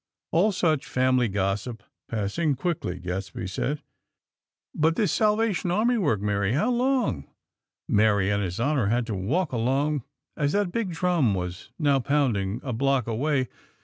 All such family gossip passing quickly, Gadsby said: "But this Salvation Army work, Mary? How long " Mary and His Honor had to walk along, as that big drum was now pounding a block away.